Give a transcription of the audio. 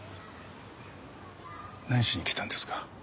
何しに来たんですか？